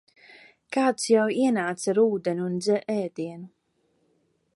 Kāds jau ienāca ar ūdeni un ēdienu.